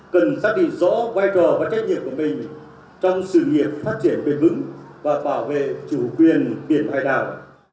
cần xác định rõ vai trò và trách nhiệm của mình trong sự nghiệp phát triển bền vững và bảo vệ chủ quyền biển hải đảo